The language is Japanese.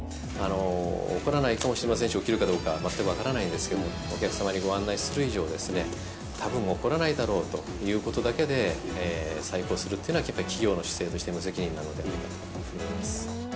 起こらないかもしれませんし、起きるかどうか、全く分からないんですけれども、お客様にご案内する以上、たぶん起こらないだろうということだけで、催行するというのは、企業の姿勢として無責任なのではないかと思います。